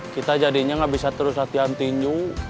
kita jadinya nggak bisa terus latihan tinju